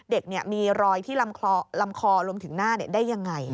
เด็กมีรอยที่ลำคอรวมถึงหน้าได้ยังไง